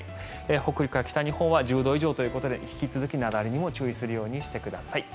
北陸から北日本は１０度以上ということで引き続き、雪崩にも注意するようにしてください。